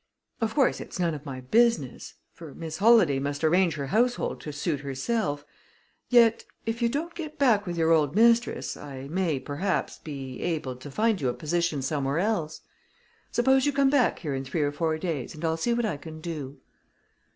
"Of course, it's none of my business: for Miss Holladay must arrange her household to suit herself; yet, if you don't get back with your old mistress, I may, perhaps, be able to find you a position somewhere else. Suppose you come back in three or four days, and I'll see what I can do."